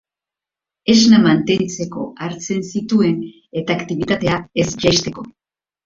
Esna mantentzeko hartzen zituen eta aktibitatea ez jaisteko.